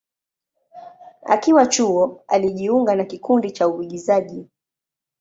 Akiwa chuo, alijiunga na kikundi cha uigizaji.